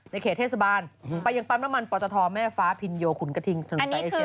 ในเขตเทศบาลไปยังปันประมาณปรตฐแม่ฟ้าพินโยขุนกระทิงถนนสายเอเชีย๔๑